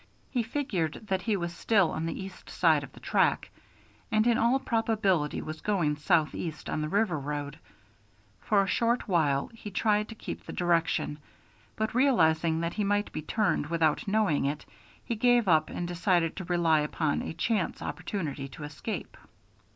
He figured that he was still on the east side of the track, and in all probability was going southeast on the river road. For a short while he tried to keep the direction, but realizing that he might be turned without knowing it, he gave up and decided to rely upon a chance opportunity to escape.